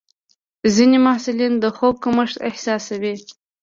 ځینې محصلین د خوب کمښت احساسوي.